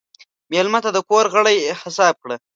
مېلمه ته د کور غړی حساب کړه.